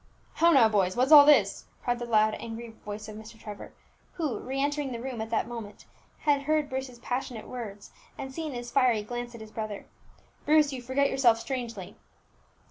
"How now, boys? what's all this?" cried the loud, angry voice of Mr. Trevor, who, re entering the room at that moment, had heard Bruce's passionate words, and seen his fiery glance at his brother. "Bruce, you forget yourself strangely."